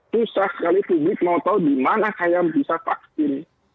susah sekali untuk ditemukan di mana saya bisa vaksin